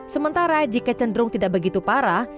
sementara jika cenderung tidak begitu parah